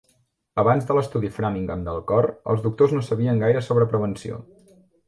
Abans de l'Estudi Framingham del Cor, els doctors no sabien gaire sobre prevenció.